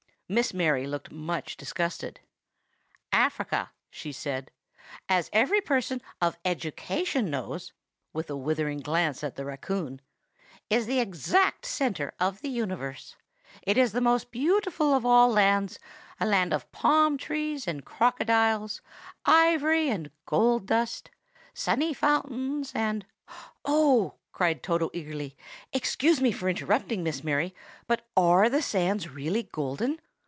Miss Mary looked much disgusted. "Africa," she said, "as every person of education knows [with a withering glance at the raccoon], is the exact centre of the universe. It is the most beautiful of all lands,—a land of palm trees and crocodiles, ivory and gold dust, sunny fountains and—" "Oh!" cried Toto eagerly, "excuse me for interrupting, Miss Mary; but are the sands really golden?